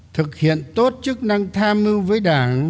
thực hiện tốt chức năng tham mưu với đảng